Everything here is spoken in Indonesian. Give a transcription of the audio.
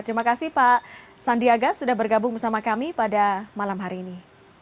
terima kasih pak sandiaga sudah bergabung bersama kami pada malam hari ini